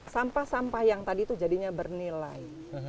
sampah sampah yang tadi itu jadinya bernilai